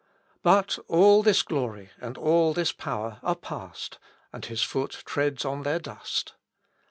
But all this glory and all this power are past, and his foot treads on their dust.